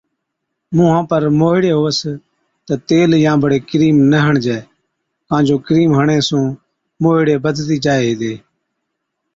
مُونهان پر موهِيڙي هُوَس تہ تيل يان بڙي ڪرِيم نہ هڻجَي ڪان جو ڪرِيم هڻڻي سُون موهِيڙي بڌتِي جائي هِتي۔